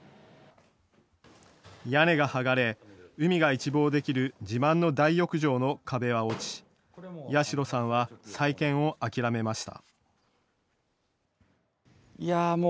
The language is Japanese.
屋根が剥がれ、海が一望できる自慢の大浴場の壁は落ち八代さんは再建を諦めました。